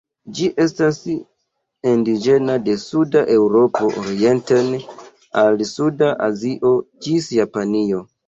Ĝi estas indiĝena de suda Eŭropo orienten al suda Azio ĝis Japanio.